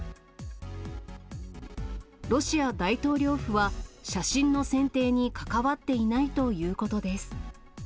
ロシア大統領府は、写真の選定に関わっていないということです。